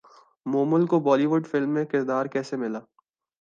مومل کو Bollywood film میں کردار کیسے ملا